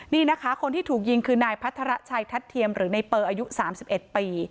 นี่นะคะคนที่ถูกยิงคือนายพัทรชัยทัชเทียมหรือในเปออายุสามสิบเอ็ดปี